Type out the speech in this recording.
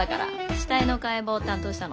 死体の解剖を担当したの。